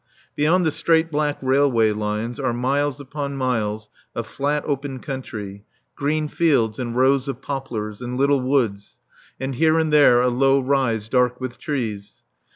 Beyond the straight black railway lines are miles upon miles of flat open country, green fields and rows of poplars, and little woods, and here and there a low rise dark with trees.